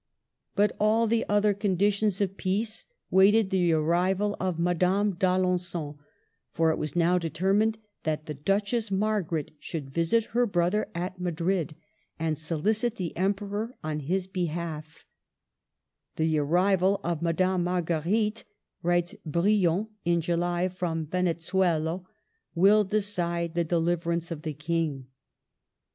But all the other THE CAPTIVITY, 9 1 conditions of peace waited the arrival of Ma dame d'Alengon; for it was now determined that the Duchess Margaret should visit her brother at Madrid and solicit the Emperor on his behalf " The arrival of Madame Margue rite," writes Brion in July from Venezuello, '* will decide the deliverance of the King."